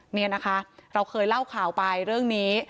นี่นะคะเราเคยเล่าข่าวไปเรื่องนี้